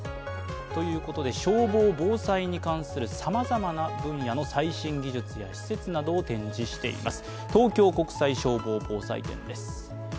消防・防災に関するさまざまな分野の最新技術や施設などを展示しています。